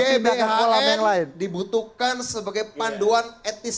gbhn dibutuhkan sebagai panduan etis